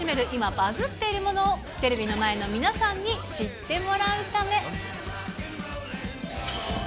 バズっているものを、テレビの前の皆さんに知ってもらうため。